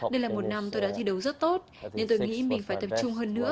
đây là một năm tôi đã thi đấu rất tốt nên tôi nghĩ mình phải tập trung hơn nữa